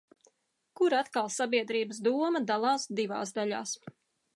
Kur atkal sabiedrības doma dalās divās daļās.